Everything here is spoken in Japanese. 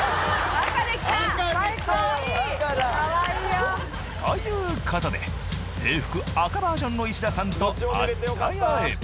赤だ！ということで制服赤バージョンの石田さんと厚田屋へ。